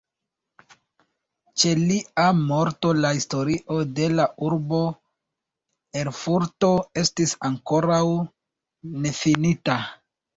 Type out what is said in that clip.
Ĉe lia morto la "Historio de la urbo Erfurto" estis ankoraŭ nefinita.